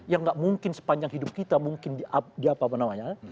yang nggak mungkin sepanjang hidup kita mungkin di apa namanya